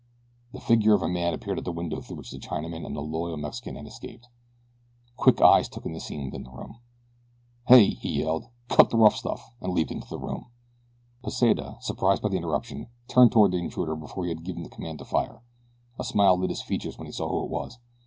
The figure of a man appeared at the window through which the Chinaman and the loyal Mexican had escaped. Quick eyes took in the scene within the room. "Hey!" he yelled. "Cut the rough stuff!" and leaped into the room. Pesita, surprised by the interruption, turned toward the intruder before he had given the command to fire. A smile lit his features when he saw who it was.